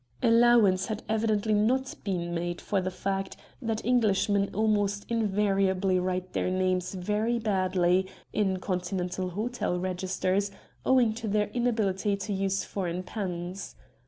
Allowance had evidently not been made for the fact that Englishmen almost invariably write their names very badly in Continental hotel registers, owing to their inability to use foreign pens.